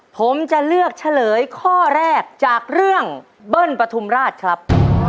ผมจะเลือกเฉลยข้อแรกจากเรื่องเบิ้ลปฐุมราชครับ